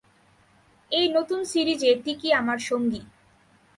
এই নতুন সিরিজে টিকি আমার সঙ্গী।